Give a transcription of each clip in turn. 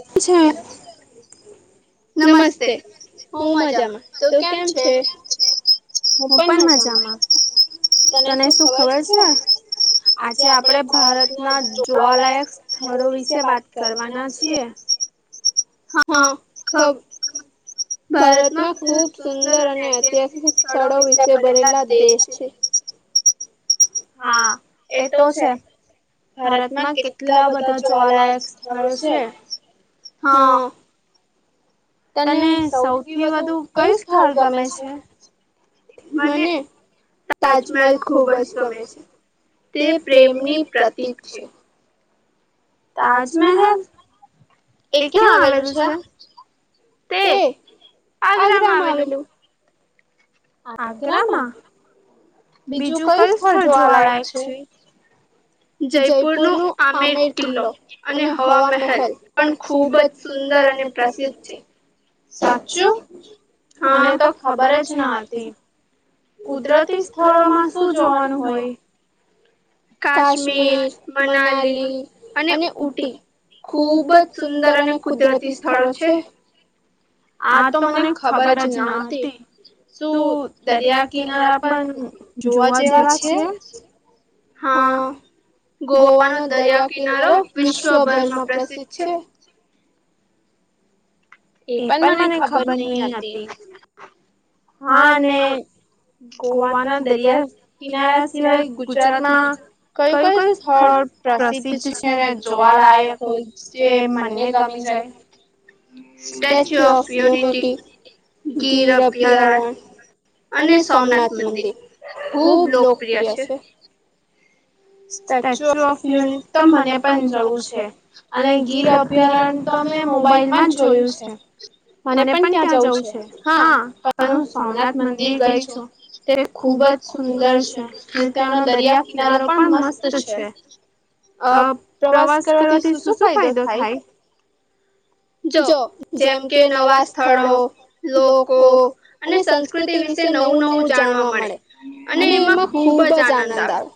અચ્છા. નમસ્તે, હું મજામાં, તુ કેમ છે? હું પણ મજામાં તને શું ખબર છે? આજે આપડે ભારત ના જોવાલાયક શહેરો વિશે વાત કરવાના છીએ. હા [inaudible] ભારતમાં ખુબ સુંદર અને ઐતિહાસિક સ્થળો વિશે ભરેલા દેશ છે. હા એ તો છે. ભારતમાં કેટલા બધા જોવાલાયક સ્થળો છે હા. તને સૌથી વધુ કયું સ્થળ ગમે છે? મને? તાજમહેલ ખૂબ જ ગમે છે તે પ્રેમની પ્રતિક છે. તાજમહેલ? એ ક્યાં આવેલું છે? તે આગ્રામાં આવેલું. આગ્રામાં બીજું કયું સ્થળ જોવાલાયક છે? જયપુર નું આમેર કિલ્લો અને હવા મહેલ પણ ખુબ જ સુંદર અને- - પ્રસિદ્ધ છે સાચું મને તો ખબર જ ન હતી. કુદરતી સ્થળોમાં શું જોવાનું હોય? કાશ્મીર, મનાલી અને ઉટી. ખુબ જ સુંદર અને કુદરતી સ્થળો છે. આ તો મને ખબર જ ન હતી. તો દરિયા કિનારા પણ જોવા જેવા છે? હા ગોવાનો દરિયા કિનારો વિશ્વભરમાં પ્રસિદ્ધ છે. એ પણ મને ખબર નહી હતી. હા અને- - ગોવાના દરિયા કિનારા સિવાય ગુજરાતમાં- - કયું કયું સ્થળ પ્રસિદ્ધ છે? ને જોવાલાયક હોય જે મને ગમી જાય. સ્ટેચ્યુ ઓફ યુનિટી, ગીર અભયારણ અને સોમનાથ મંદિર ખુબ લોકપ્રિય છે. સ્ટેચ્યુ ઓફ યુનિટી તો મને પણ જવું છે અને ગીર અભયારણ તો મે મોબાઈલમાં જ જોયું છે. મને પણ ત્યાં જવું છે હા પણ હું સોમનાથ મંદિર ગઈ છું. તે ખુબ જ સુંદર છે અને ત્યાંનો દરિયા કિનારો પણ મસ્ત છે. અ પ્રવાસ કરવાથી શું શું ફાયદો થાય? જો જેમ કે નવા સ્થળો લોકો અને સંસ્કૃતિ વિશે નવું નવું જાણવા મળે. અને એમાં ખુબ જ આનંદ આવ્યો,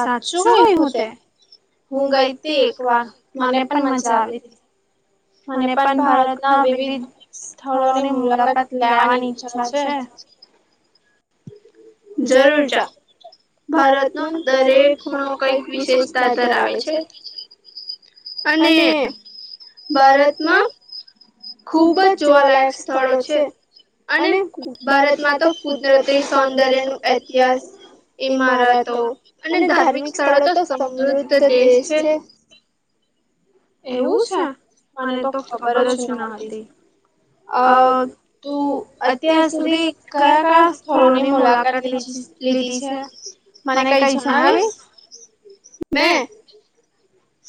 સાચું કઈ હું તે. હું ગઈ હતી, એક વાર મને પણ મજા આવી હતી. મને પણ ભારતના વિવિધ સ્થળોની મુલાકાત લેવાની ઈચ્છા છે. જરૂર જા. ભારતનો દરેક ખૂણો કઈક વિશેષતા ધરાવે છે. અને ભારતમાં ખુબ જ જોવાલાયક સ્થળો છે. અને ભારતમાં તો કુદરતી સૌંદર્ય નુ ઇતિહાસ. ઈમારતો અને ધાર્મિક સ્થળો તો સમૃદ્ધ દેશ છે. એવું છે, મને તો ખબર જ ન હતી. અ તું અત્યાર સુધી કયા કયા સ્થળોની મુલાકાત લીધી? લીધી છે, મને કઈ જણાવીશે? મેં?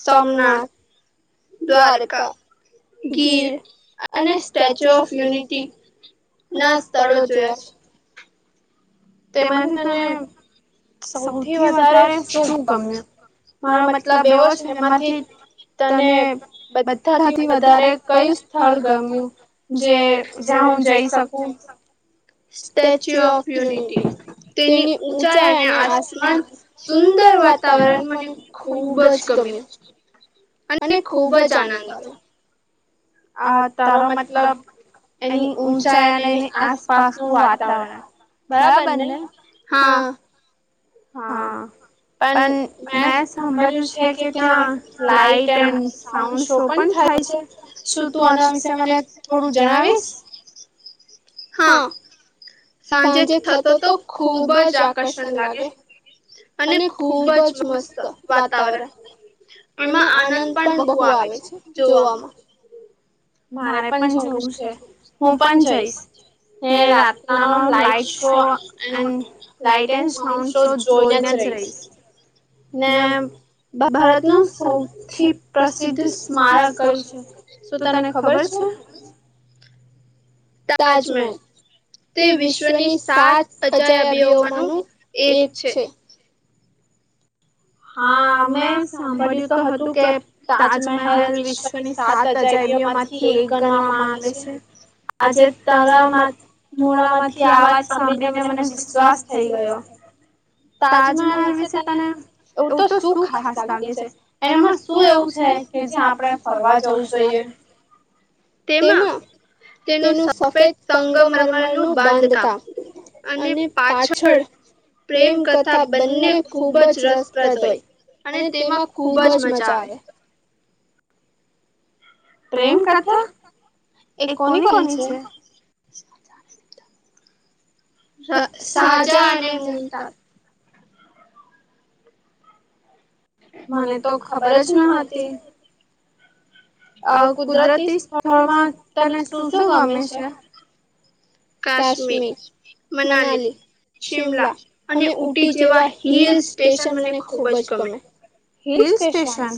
સોમનાથ. દ્વારકા, ગીર, અને સ્ટેચ્યુ ઓફ યુનિટી. ના સ્થળો જોયા છે. તેમાંથી તને સૌથી વધારે શું ગમે? મારો મતલબ એવો છે ને, એમાંથી તને બધાથી વધારે કયું સ્થળ ગમ્યું? જે જ્યાં હું જઈ શકું. સ્ટેચ્યુ ઓફ યુનિટી તેની ઊંચાઈ અને આસમા સુંદર વાતાવરણ મને ખુબ જ ગમ્યું. મને ખુબ જ આનંદ આવે. આ તાર મતલબ એની ઊંચાાઈ અને એની આસપાસ નું વાતાવરણ બરાબર ને, હા. હા. પણ મેં સાંભળ્યું છે કે, ત્યાં લાાઈટ એન્ડ સાઉન્ડ શો પણ થાય છે. શું તું આના વિશે મને થોડું જણાવીશ? હા, સાંજે થતો તો ખુબ જ આકર્ષણ લાગે. અને ખુબ જ મસ્ત વાતાવરણ. એમાં આનંદ પણ બહુ આવે છે જોવામાં. મારે પણ જવું છે, હું પણ જઈશ. હ, રાતનાનો લાઈટ શો, ને લાઈટ એન સાઉન્ડ શો. જોઈના જ રઈસ ને. ભારતનું સૌથી પ્રસિદ્ધ સ્મારક કઈ છે? શું તને ખબર છે? તાજમહેલ. તે વિશ્વની સાત અજયાબીઓમાંનું એક છે. હા, મેમે સાંભળ્યું તો હતું કે, તાજમહેલ વિશ્વની સાત અજાયબીઓમાં થી એક ગણવામાં આવે છે, આજે તારામાં મોડામાંથી આવાજ સાંભળીને, મને વિશ્વાસ થઈ ગયો. તાજમહલ વિશે તને એવું તો શું ખાસ લાગે છે, એનામાં શું એવું છે કે, જે આપણે ફરવા જવું જોઈએ. બ [unintelligible] તેમાં તેનું સફેદ સંગમર્મર નું બાંધકામ. અને પાછળ પ્રેમકથા બંને ખૂબ જ રસ. દ હોય, અને તેમાં ખુબ જ મજા આવે. પ્રેમ કથા એ કોની કોઈ છે. સાજા અને નંતર. મને તો ખબર જ ન હતી. આ કુદરતી સ્થળોમાં તને શું શું ગમે છે. કાશ્મીર મનાલી શિમલા અને ઉઊટી જેવા હિલ સ્ટેશન મને ખુબ જ ગમે હિલ સ્ટેશન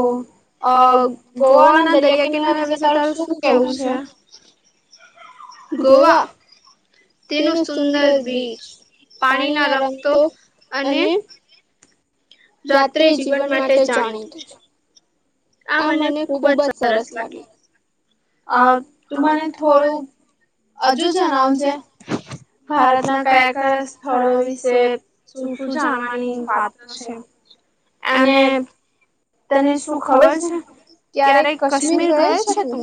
ઓ અ ગોવાના દરિયા કિનારા વિશે તારું શું કેવું છે. ગોવા તેનું સુંદર બીચ પાણીના રંગતો અને રાત્રે જીવન માટે જાણીતું છે. આ મને ખૂબ જ સરસ લાગી અ તું મને થોડું હજુ જણાવજે ભારતના કયા કયા સ્થળો વિશે શું શું જાણવાની વાતો છે. અને તને શું ખબર છે ક્યારે કાશ્મીર ગયો છે તું.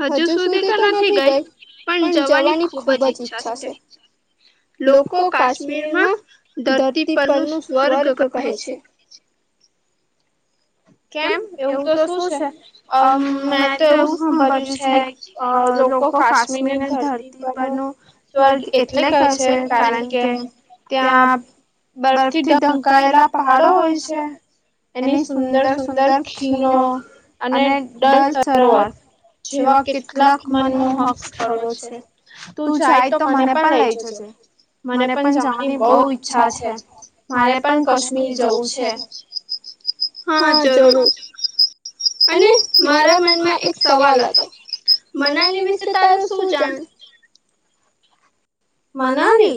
હજુ સુધી તો નથી ગઈ. પણ જવાની ખુબ જ ઈચ્છા છે. લોકો કાશ્મીરમાં ધરતી પર ન સ્વર્ગ કહે છે. કેમ એવું તો શું છે અ મેં તો એવું સાંભર્યું છે અ લોકો કાશ્મીરની ધરતી પરનું સ્વર્ગ એટલે કહે છે કારણ કે ત્યાં બરફ થી ઢંકાયેલા પહાડો હોય છે એની સુંદર સુંદર અંદર ખીણો અને ડલ સરોવર જેવા કેટલાક મનનો હક સડો છે. તું જાય તો મને પણ લઈજજે. મને પણ જવાની બહુ ઈચ્છા છે મારે પણ કશ્મીર જવું છે. હા જો જરૂર અને મારા મનમાં એક સવાલ હતો. મનાલી વિશે તારું શું જાણ મનાલી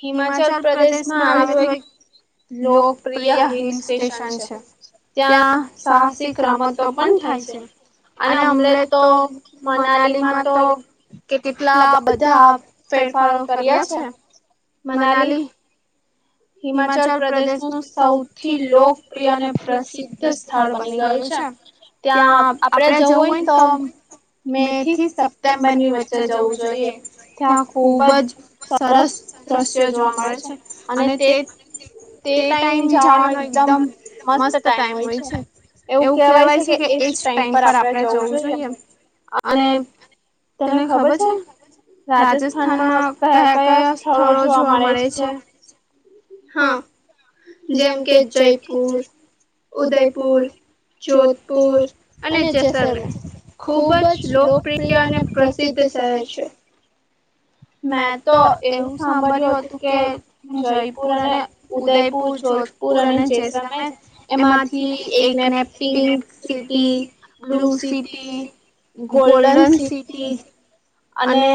હિમાચલ પ્રદેશમાં આવેલું લોકપ્રિય હિલ સ્ટેશન છે. ત્યાં સાહસિક રમતો પણ થાય છે. અને હમલે તો મનાલી માં તો કેટલા બધા ફેરફારો કર્યા છે મનાલી હિમાચલ પ્રદેશનું સૌથી લોકપ્રિય અને પ્રસિદ્ધ સ્થળ બની ગયું છે. ત્યાં આપડે જવું હોય ને તો. મે થી સપ્ટેમ્બરની વચ્ચે જવું જોઈએ ત્યાં ખૂબ જ સરસ દ્રશ્યો જોવા મળે છે અને તે જ તે ટાઈમ જવાનો એકદમ મસ્ત ટાઈમ હોય છે. એવું કહેવાય છે કે એજ ટાઈમ પર આપણેે જવું જોઈએ અને તને ખબર છે રાજસ્થાનમાં કયા કયા સ્થળો જોવા મળે છે. હા જેમ કે જયપુર ઉદયપુર જોધપુર અને જેસલમેર. ખુબ જ લોકપ્રિય અને પ્રસિદ્ધ શહેર છે. મેં તો એવું સાંભળ્યું હતું કે જયપુર અને ઉદયપુર જો પૂરને જ અમે એમાંથી એકક city blue city golden city અને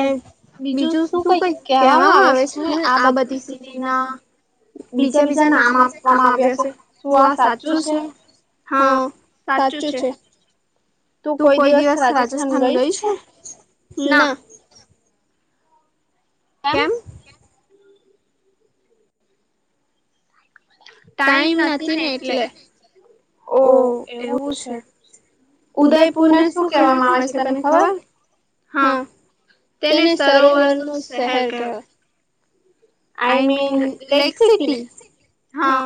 બીજું શું કઈ કેહેવામાં આવે શું આ બધી સ્ટીના બીજા બીજા નામ આપવામાં આવ્યા છે શું આ સાચું છે. હા સાચું છે. તું કોઈ દિવસ રાજસ્થાન ગઈ છે. ના કેમ? ટાઈમ નથી ને એટલે. ઓહ! એવું છે? ઉદયપુરને શું કેહેવામાં આવે છે તને ખબર? હા. તેને સરોવરનું શહેર કહેવાય. I mean lake city? હા.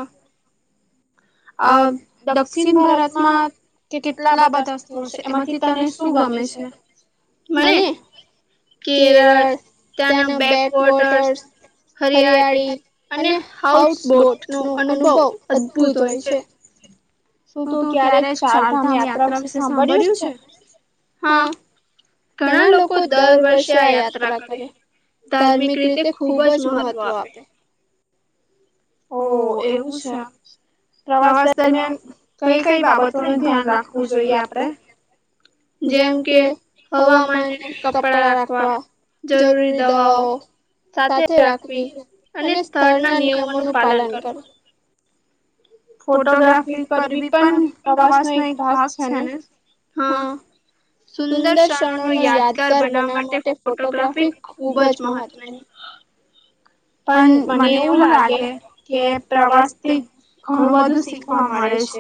અ દક્ષિણ ભારતમાં કેટલા બધા સ્થળ છે એમાંથી તને શું ગમે છે? મને? કેરળ, તન બેક વોટર્સ. હરિયાળી અને હાઉસબોટ નો અનુભવ અદભુત હોય છે. શું તું ક્યારે ચારધામ યાત્રા સાંભળ્યું છે? હા. ઘણા લોકો દર વર્ષે આ યાત્રા કરે. ધાર્મિક રીતે ખુબ જ મહત્વ આપે. ઓહ! એવું છે? પ્રવાસ દરમિયાન કઈ કઈ બાબતોનું ધ્યાન રાખવું જોઈએ આપડે? જેમ કે હવામાને કપડા રાખવા. જરૂરી દવાઓ સાથે રાખવી, અને સ્થળના નિયમોનું પાલન કરવું. ફોટોગ્રાફી કરવી પણ પ્રવાસનો એક ભાગ છે ને? હા સુંદર ક્ષણોનો યાદગાર બનાવા માટે ફોટોગ્રાફી ખુબ જ મહત્વની પણ મને એવું લાગે કે પ્રવાસથી ઘણું બધું શીખવા મળે છે,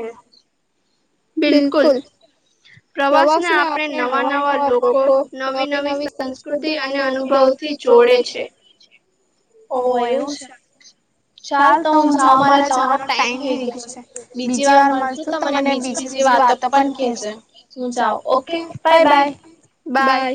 બિલકુલ. પ્રવાસને આપણે નવા નવા લોકો, નવી નવી સંસ્કૃતિ અને અનુભવથી જોડે છે. ઓહ! એવું છે? ચાલ તો હું જાઉ મારા જવાનો ટાઈમ થઇ ગયો છે. બીજી વાર મળશું તો મને બીજી બીજી વાતો પન કેજે હું જાઉ ઓકે બાય બાય, બાય.